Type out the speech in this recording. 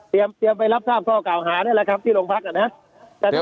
เตรียมไปรับทราบท่อเก่าหาแน่นั้นแหละครับที่หลงพลักษณ์อ่าเนี่ย